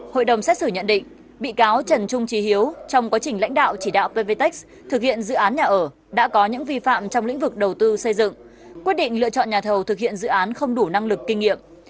hội đồng xét xử nhận định bị cáo trần trung trí hiếu trong quá trình lãnh đạo chỉ đạo pvtec thực hiện dự án nhà ở đã có những vi phạm trong lĩnh vực đầu tư xây dựng quyết định lựa chọn nhà thầu thực hiện dự án không đủ năng lực kinh nghiệm